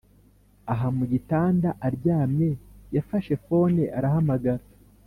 aha mugitanda aryamye yafashe fone arahamagara